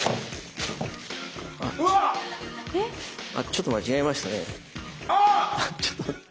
ちょっと間違えましたね。